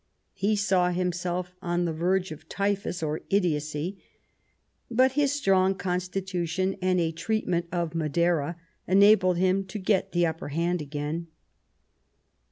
He saw himself on the verge of typhus or idiotcy ; but his strong con stitution and a treatment of Madeira enabled him to get the upper hand again.